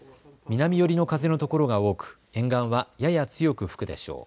南寄りの風のところが多く沿岸はやや強く吹くでしょう。